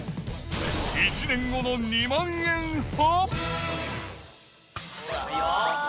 １年後の２万円派？